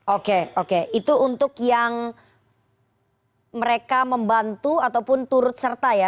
oke oke itu untuk yang mereka membantu ataupun turut serta ya